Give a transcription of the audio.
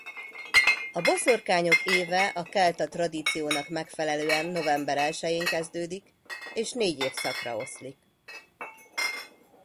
A boszorkányok éve a kelta tradíciónak megfelelően november elsején kezdődik és négy évszakra oszlik.